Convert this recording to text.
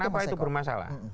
kenapa itu bermasalah